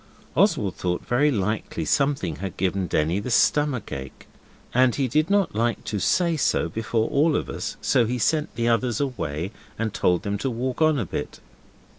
Oswald thought very likely something had given Denny the stomach ache, and he did not like to say so before all of us, so he sent the others away and told them to walk on a bit.